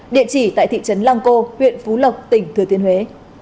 địa chỉ tại thị trấn lăng cô huyện phú lộc tỉnh thừa thiên huế